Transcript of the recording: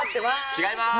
違います。